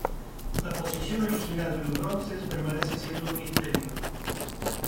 La posición original de los bronces permanece siendo un misterio.